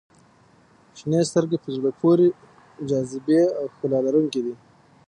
• شنې سترګې د زړه پورې جاذبې او ښکلا لرونکي دي.